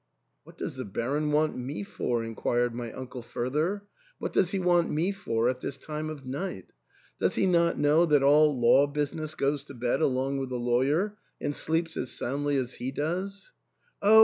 "What does the Baron want me for ?" inquired my uncle further ; "what does he want me for at this time of night ? does he not know that all law business goes to bed along w^ith the lawyer, and sleeps as soundly as he does ?"" Oh